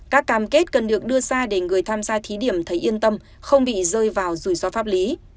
các cam kết cần được đưa ra để người tham gia thí điểm thấy yên tâm không bị rơi vào rủi ro pháp lý